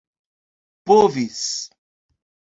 povis